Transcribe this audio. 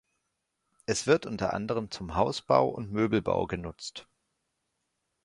Es wird unter anderem zum Hausbau und Möbelbau genutzt.